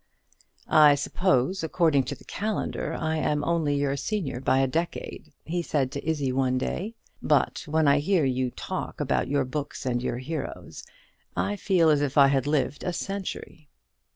"I suppose, according to the calendar, I am only your senior by a decade," he said to Izzie one day; "but when I hear you talk about your books and your heroes, I feel as if I had lived a century."